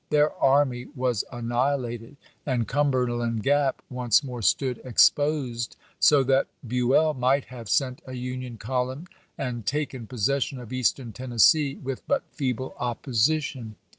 Their army was annihilated, and Cumberland Gap once more stood exposed, so that Buell might have sent a Union column and taken possession of Eastern Tennessee with but feeble opposition.